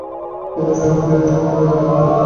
এই একই যুক্তি এক্ষেত্রে প্রযোজ্য।